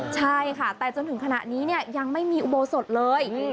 ใช่ค่ะแต่จนถึงขณะนี้เนี่ยยังไม่มีอุโบสถเลย